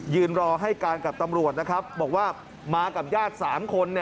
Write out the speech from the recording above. รอให้การกับตำรวจนะครับบอกว่ามากับญาติ๓คน